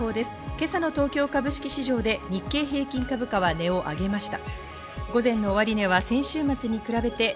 今朝の東京株式市場で日経平均株価は値をあげました。